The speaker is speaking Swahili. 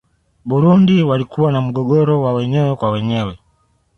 burundi walikuwa na mgogoro wa wenyewe kwa wenyewe